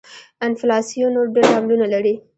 انفلاسیون نور ډېر لاملونه لري.